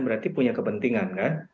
berarti punya kepentingan kan